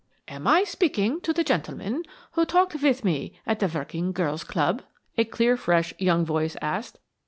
"Am I speaking to the gentleman who talked with me at the working girls' club?" a clear, fresh young voice asked.